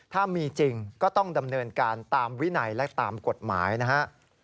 ถ้ามีจริงก็ต้องดำเนินการตามวินัยและตามกฎหมายนะฮะ